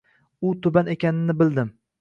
U tuban ekanini bildim.